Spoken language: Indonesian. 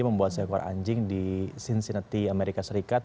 membuat seekor anjing di cincinity amerika serikat